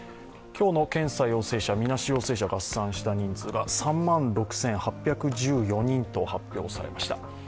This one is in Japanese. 今日の検査陽性者、みなし陽性者、合算した人数が３万６８１４人と発表されました。